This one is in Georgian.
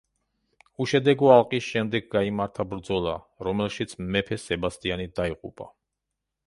უშედეგო ალყის შემდეგ გაიმართა ბრძოლა, რომელშიც მეფე სებასტიანი დაიღუპა.